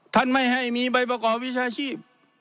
ไม่ให้มีใบประกอบวิชาชีพ